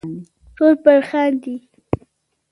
ټول پر خاندي .